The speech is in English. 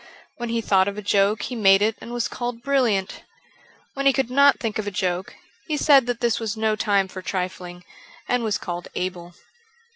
When he thought of a joke he made it and was called brilliant. When he could not think of a joke he said that this was no time for trifling, and was called able.